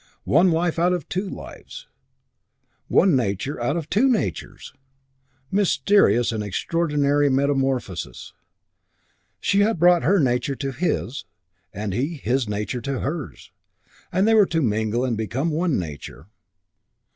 One life out of two lives; one nature out of two natures! Mysterious and extraordinary metamorphosis. She had brought her nature to his, and he his nature to hers, and they were to mingle and become one nature....